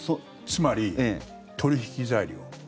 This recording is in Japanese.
つまり取引材料。